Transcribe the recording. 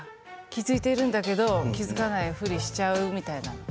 気付いているんだけど気付かないふりしちゃうみたいなの。